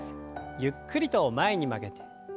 ゆっくりと前に曲げて。